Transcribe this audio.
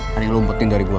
kan yang lo umpetin dari gue